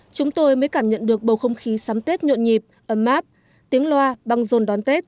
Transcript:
chúng tôi mới cảm nhận được bầu không khí sắm tết nhộn nhịp ấm áp tiếng loa băng rôn đón tết